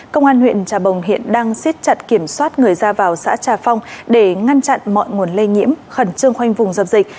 công an huyện trà bồng hiện đang siết chặt kiểm soát người ra vào xã trà phong để ngăn chặn mọi nguồn lây nhiễm khẩn trương khoanh vùng dập dịch